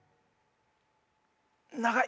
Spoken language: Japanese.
長い。